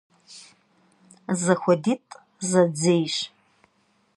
Zexuedit' zedzêyş.